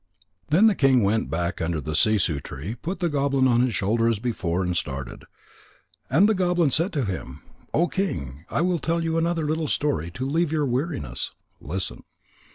_ Then the king went back under the sissoo tree, put the goblin on his shoulder as before, and started. And the goblin said to him: "O King, I will tell you another little story to relieve your weariness. Listen."